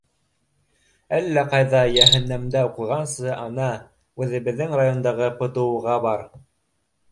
— Әллә ҡайҙа йәһәннәмдә уҡығансы, ана, үҙебеҙҙең райондағы ПТУ-ға бар.